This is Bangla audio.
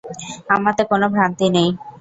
আমাতে কোন ভ্রান্তি নেই।